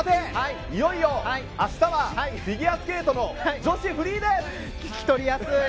いよいよ明日はフィギュアスケートの女子フリーです！